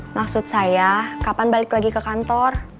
maksud saya kapan balik lagi ke kantor